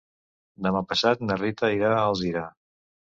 Demà passat na Rita irà a Alzira.